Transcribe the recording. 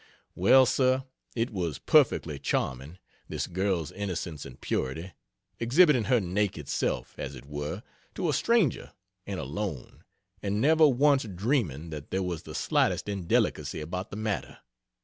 Well, sir, it was perfectly charming, this girl's innocence and purity exhibiting her naked self, as it were, to a stranger and alone, and never once dreaming that there was the slightest indelicacy about the matter.